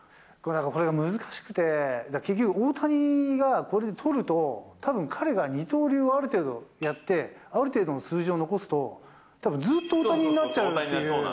だからこれが難しくて、結局、大谷がこれで取ると、たぶん、彼が二刀流をある程度やって、ある程度の数字を残すと、たぶん、ずっと大谷になっちゃうっていう。